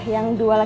yang dua laki laki